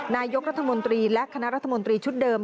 นายกรัฐมนตรีและคณะรัฐมนตรีชุดเดิม